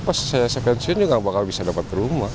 nanti pas saya sepensiun juga gak bakal bisa dapat ke rumah